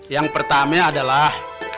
yang pertamanya adalah